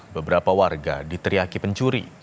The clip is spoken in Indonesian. beberapa warga diteriaki pencuri